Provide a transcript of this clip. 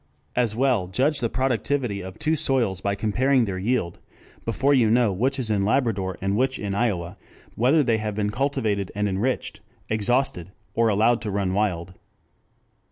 As well judge the productivity of two soils by comparing their yield before you know which is in Labrador and which in Iowa, whether they have been cultivated and enriched, exhausted, or allowed to run wild.